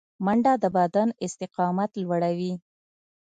منډه د بدن استقامت لوړوي